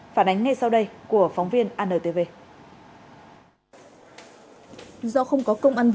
phản ánh ngay sau đây của phóng viên antv